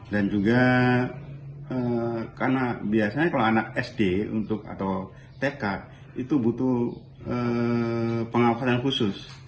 dan juga karena biasanya kalau anak sd atau tk itu butuh pengawasan khusus